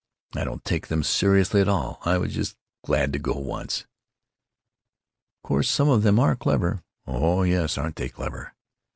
I don't take them seriously at all. I was just glad to go once." "Of course some of them are clever." "Oh yes, aren't they clever!"